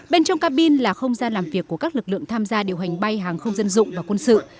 bên trong cabin là không gian làm việc của các lực lượng tham gia điều hành bay hàng không dân dụng và quân sự